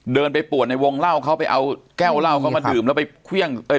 เดินไปปวดในวงเล่าเขาไปเอาแก้วเหล้าเขามาดื่มแล้วไปเครื่องเอ้ย